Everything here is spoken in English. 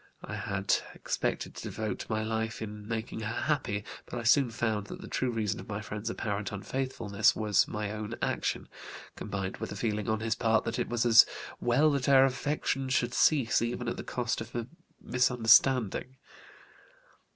I had expected to devote my life in making her happy, but I soon found that the true reason of my friend's apparent unfaithfulness was my own action, combined with a feeling on his part that it was as well that our affection should cease even at the cost of misunderstanding.